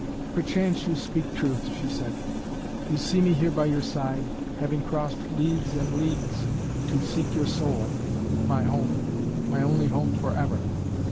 "Perchance you speak truth!" she said. "You see me here by your side, having crossed leagues and leagues to seek your soul, my home my only home forever.